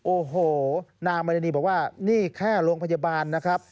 โอ้โหนางมรณีบอกว่านี่แค่โรงพยาบาลนะครับ